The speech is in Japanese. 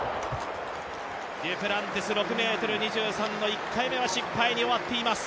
デュプランティス、６ｍ２３の１回目は失敗に終わっています。